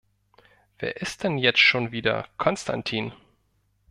Wer ist denn jetzt schon wieder Konstantin?